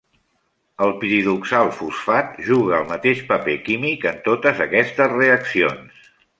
El piridoxal fosfat juga el mateix paper químic en totes aquestes reaccions.